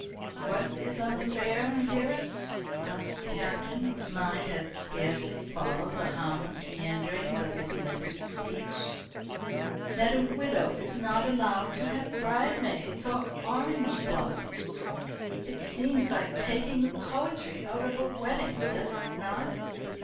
"What is unfair, dearest?" asked the Captain, whose mind had scarcely followed the harmless meanderings of his lady's speech. "That a widow is not allowed to have bridesmaids or orange blossoms. It seems like taking the poetry out of a wedding, does it not?"